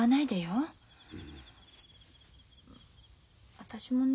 私もね